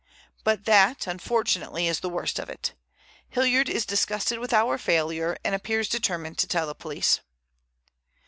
But that, unfortunately, is the worst of it. Hilliard is disgusted with our failure and appears determined to tell the police."